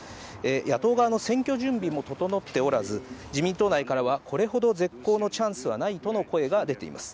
野党側の選挙準備も整っておらず、自民党内からは、これほど絶好のチャンスはないとの声が出ています。